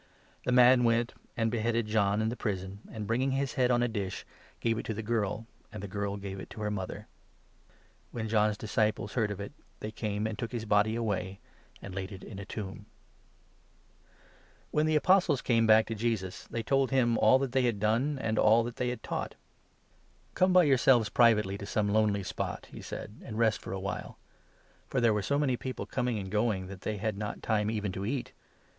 The man went and beheaded John in the prison, and, 28 bringing his head on a dish, gave it to the girl, and the girl gave it to her mother. When John's disciples heard of it, 29 they came and took his body away, and laid it in a tomb. The When the Apostles came back to Jesus, they 30 Return of the told him all that they had done and all that they Apostles. had taught. " Come by yourselves privately to some lonely spot," he said, 31 " and rest for a while "— for there were so many people coining and going that they had not time even to eat.